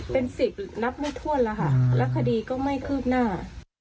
เป็นสิบนับไม่ถ้วนแล้วค่ะแล้วคดีก็ไม่คืบหน้า